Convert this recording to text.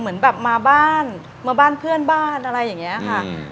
เหมือนแบบมาบ้านมาบ้านเพื่อนบ้านอะไรอย่างนี้ค่ะ